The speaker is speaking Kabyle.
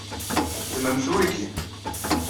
Ddmemt wigi.